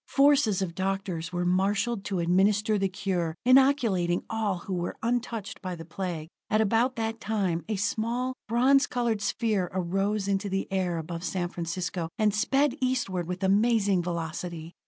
Forces of doctors were marshalled to administer the cure, inoculating all who were untouched by the Plague. At about that time, a small, bronze colored sphere arose into the air above San Francisco, and sped eastward with amazing velocity.